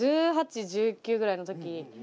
１８１９ぐらいの時。